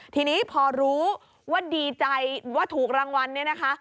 ทีนี้พอรู้ว่าดีใจว่าถูกรางวัลเนี่ยนะคะ